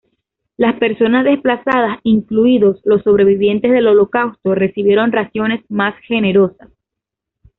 Las personas desplazadas, incluidos los sobrevivientes del Holocausto, recibieron raciones más generosas.